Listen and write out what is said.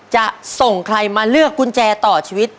จะส่งใครมาเลือกกุญแจต่อชีวิต